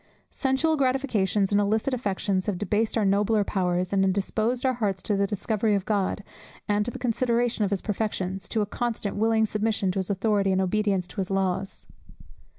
Sensual gratifications and illicit affections have debased our nobler powers, and indisposed our hearts to the discovery of God, and to the consideration of his perfections; to a constant willing submission to his authority, and obedience to his laws.